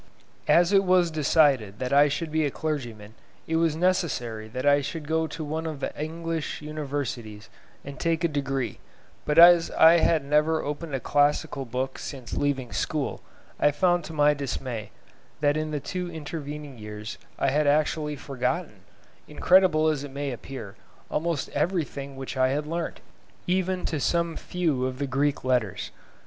As it was decided that I should be a clergyman, it was necessary that I should go to one of the English universities and take a degree; but as I had never opened a classical book since leaving school, I found to my dismay, that in the two intervening years I had actually forgotten, incredible as it may appear, almost everything which I had learnt, even to some few of the Greek letters.